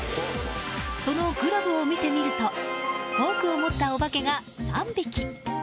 そのグラブを見てみるとフォークを持ったお化けが３匹。